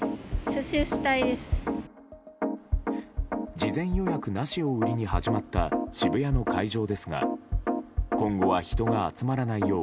事前予約なしを売りに始まった渋谷の会場ですが今後は人が集まらないよう